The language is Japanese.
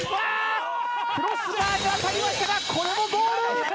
クロスバーに当たりましたがこれもゴール。